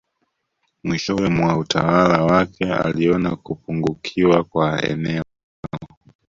Mwishowe mwa utawala wake aliona kupungukiwa kwa eneo